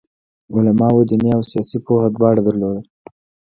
علماوو دیني او سیاسي پوهه دواړه درلوده.